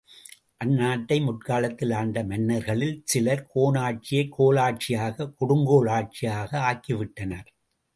அந்நாட்டை முற்காலத்தில் ஆண்ட மன்னர்களில் சிலர், கோனாட்சியைக் கோலாட்சியாக, கொடுங்கோல் ஆட்சியாக ஆக்கிவிட்டனர்.